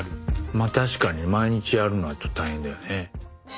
まあ確かに毎日やるのはちょっと大変だよね。